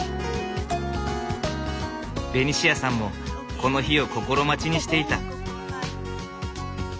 ベニシアさんもこの日を心待ちにしていた。